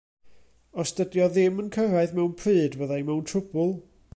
Os dydi o ddim yn cyrraedd mewn pryd fydda i mewn trwbl.